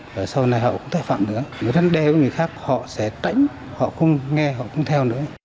và sau này họ cũng phải phạm nữa